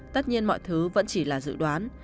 tất nhiên mọi thứ vẫn chỉ là dự đoán